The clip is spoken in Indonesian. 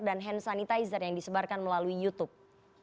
dan hand sanitizer yang disebarkan melalui youtube